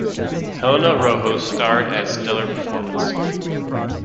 Helena Rojo starred as stellar performance.